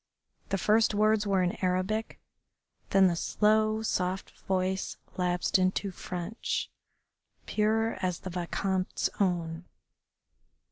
The first words were in Arabic, then the slow, soft voice lapsed into French, pure as the Vicomte's own.